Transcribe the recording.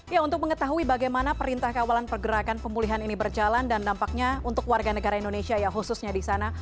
ya untuk mengetahui bagaimana perintah kawalan pergerakan pemulihan ini berjalan dan dampaknya untuk warga negara indonesia ya khususnya di sana